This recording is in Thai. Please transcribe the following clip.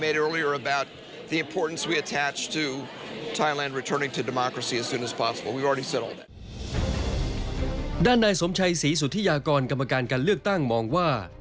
ด้านนายสมชัยศรีสุธิยากรกรรมการการเลือกตั้งมองว่า